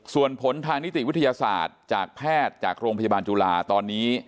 ส่วนผลทางนิติวิทยาศาสตร์จากแพทย์จากโรงพยาบาลจุฬาตอนนี้